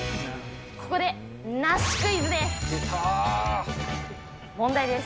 ここで、梨クイズです。